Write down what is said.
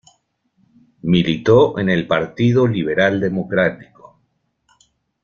Militó en el Partido Liberal Democrático.